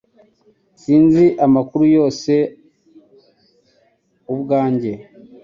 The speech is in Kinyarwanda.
Sinzi amakuru yose ubwanjye